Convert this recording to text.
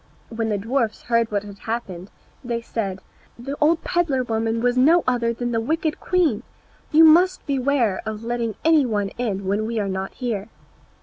When the dwarfs heard what had happened they said, "The old pedlar woman was no other than the wicked queen; you must beware of letting any one in when we are not here!"